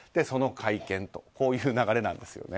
その会見という流れなんです。